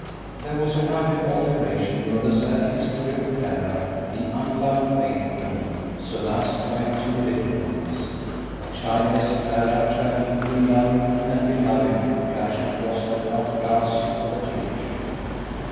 There was a rapid alteration of the sad history of Clara the unloved matron solaced by two little ones. A childless Clara tragically loving and beloved flashed across the dark glass of the future.